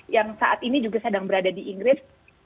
yang saat ini juga sedang berada di inggris